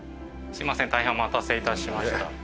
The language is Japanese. すいません大変お待たせいたしました。